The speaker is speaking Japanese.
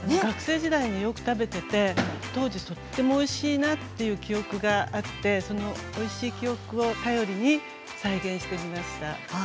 学生時代によく食べていて当時とてもおいしいなという記憶があってそのおいしい記憶を頼りに再現してみました。